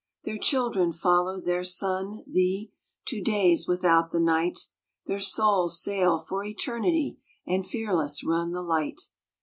" Their children follow their sun, Thee, To days without the night ; Their souls sail for Eternity, And fearless run the light.